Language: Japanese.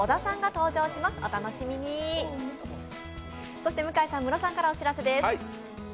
そして向井さん、室さんからお知らせです。